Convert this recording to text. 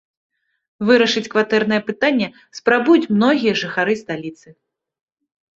Вырашыць кватэрнае пытанне спрабуюць многія жыхары сталіцы.